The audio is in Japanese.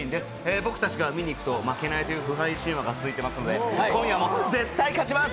僕たちが見に行くと負けないという不敗神話が続いていますので今夜も絶対勝ちます！